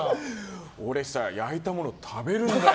俺、焼いたもの食べるんだよ。